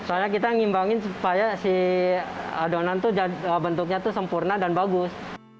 karena kita mengimbangkan supaya adonan bentuknya sempurna dan bagus